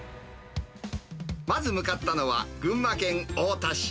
まず向かったのは、群馬県太田市。